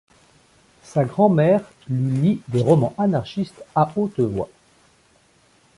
Sa grand-mère lui lit des romans anarchistes à haute voix.